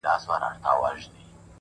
o د مسجد لوري ـ د مندر او کلیسا لوري ـ